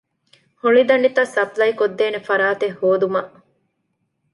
ހޮޅިދަނޑިތައް ސަޕްލައިކޮށްދޭނެ ފަރާތެއް ހޯދުމަށް